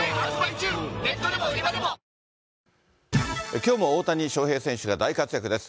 きょうも大谷翔平選手が大活躍です。